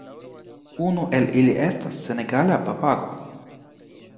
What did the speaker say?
Unu el ili estas senegala papago.